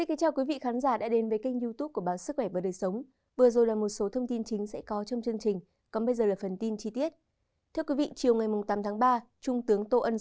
các bạn hãy đăng ký kênh để ủng hộ kênh của chúng mình nhé